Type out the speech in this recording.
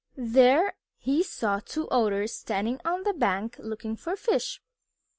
There he saw two Otters standing on the bank looking for fish.